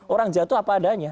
orang jawa itu apa adanya